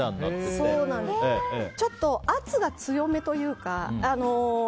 ちょっと圧が強めというか。